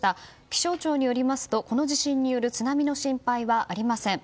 気象庁によりますとこの地震による津波の心配はありません。